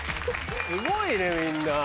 すごいねみんな。